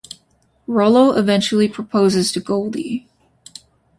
Rollo eventually proposes to Goldie.